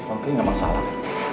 oke gak masalah